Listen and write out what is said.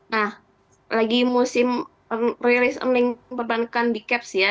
nah lagi musim rilis earning perbankan b caps ya